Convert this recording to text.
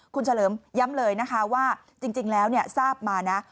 คุณเฉลิมย้ำเลยนะคะว่าจริงแล้วทราบมานะ